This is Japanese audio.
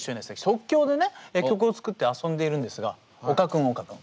即興でね曲を作って遊んでいるんですが岡君岡君